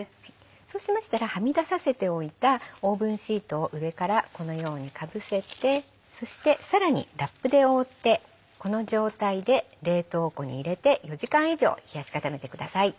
そうしましたらはみ出させておいたオーブンシートを上からこのようにかぶせてそしてさらにラップで覆ってこの状態で冷凍庫に入れて４時間以上冷やし固めてください。